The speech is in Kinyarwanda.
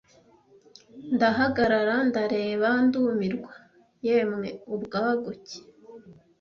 Ndahagarara ndareba ndumirwa. Yemwe ubwaguke